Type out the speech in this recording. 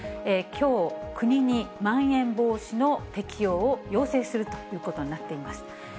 きょう、国にまん延防止の適用を要請するということになっています。